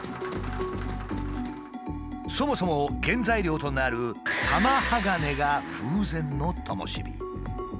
そもそも原材料となる玉鋼が風前のともし火。